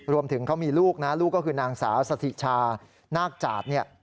รวมถึงเขามีลูกนะลูกก็คือนางสาวสถิชานาคจาดเนี่ย